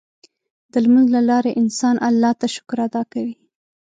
د لمونځ له لارې انسان الله ته شکر ادا کوي.